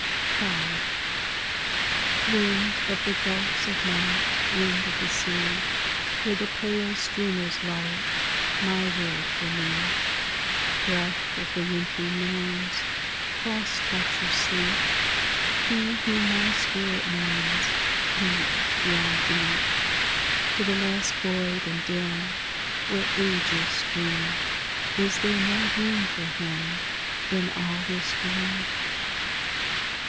V Wind of the gulfs of night, Wind of the sea, Where the pale streamers light My world for me, Breath of the wintry Norns, Frost touch or sleep, He whom my spirit mourns Deep beyond deep To the last void and dim Where ages stream Is there no room for him In all this dream?